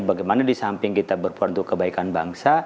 bagaimana di samping kita berperan untuk kebaikan bangsa